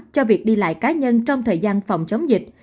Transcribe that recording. cho việc đi lại cá nhân trong thời gian phòng chống dịch